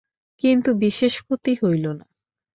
কিন্তু বিশেষ ক্ষতি হইল না।